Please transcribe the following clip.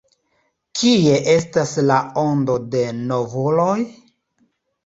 Kie estas la ondo de novuloj?